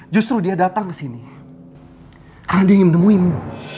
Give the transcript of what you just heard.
justru dia datang kesini karena dia ingin menemuimu